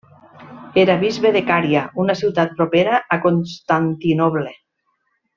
Era bisbe de Cària, una ciutat propera a Constantinoble.